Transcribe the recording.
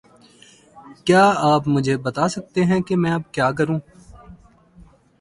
کیا آپ مجھے بتا سکتے ہے کہ میں اب کیا کروں؟